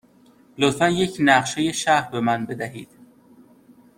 لطفاً یک نقشه شهر به من بدهید.